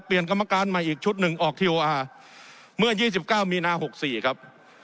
เปลี่ยนกรรมการใหม่อีกชุดหนึ่งออกทีโออาร์เมื่อยี่สิบเก้ามีนาหกสี่ครับ